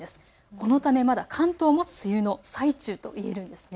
このためまだ関東も梅雨の最中といえるんです。